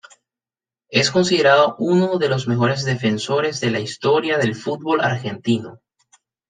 Es considerado uno de los mejores defensores de la historia del fútbol argentino.